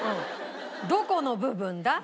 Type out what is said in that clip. どこの部分だ？